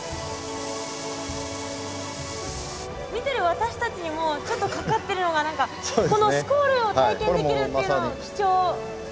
見てる私たちにもちょっとかかってるのが何かこのスコールを体験できるっていうのが貴重。